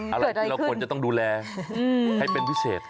อะไรที่เราควรจะต้องดูแลให้เป็นพิเศษ